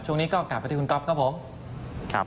ช่วงนี้ก็กลับไปที่คุณก๊อฟครับผมครับ